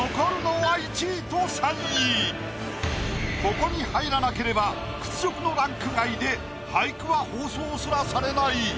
ここに入らなければ屈辱のランク外で俳句は放送すらされない。